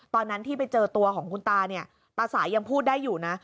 ตอนนั้นที่ไปเจอตัวของคุณตาเนี่ยตาสายยังพูดได้อยู่นะ